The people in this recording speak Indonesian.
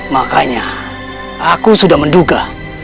makanya aku sudah menduga